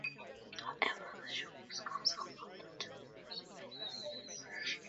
However, the show was canceled after two episodes.